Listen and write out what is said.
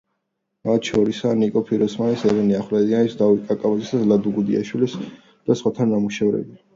მათ შორისაა ნიკო ფიროსმანის, ელენე ახვლედიანის, დავით კაკაბაძის, ლადო გუდიაშვილის და სხვათა ნამუშევრები.